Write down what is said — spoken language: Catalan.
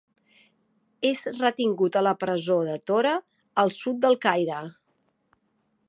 És retingut a la presó de Tora, al sud del Caire.